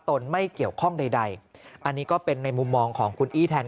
ตนไม่เกี่ยวข้องใดอันนี้ก็เป็นในมุมมองของคุณอี้แทน